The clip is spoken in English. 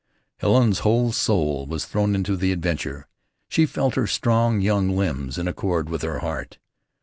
Helen's whole soul was thrown into the adventure. She felt her strong young limbs in accord with her heart.